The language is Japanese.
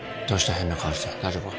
変な顔して大丈夫か？